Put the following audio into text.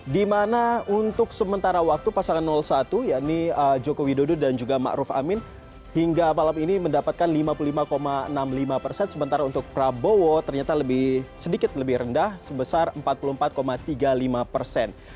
di mana untuk sementara waktu pasangan satu ya ini joko widodo dan juga ⁇ maruf ⁇ amin hingga malam ini mendapatkan lima puluh lima enam puluh lima persen sementara untuk prabowo ternyata sedikit lebih rendah sebesar empat puluh empat tiga puluh lima persen